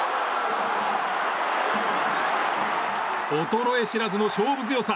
衰え知らずの勝負強さ。